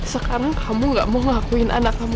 sekarang kamu gak mau ngakuin anak kamu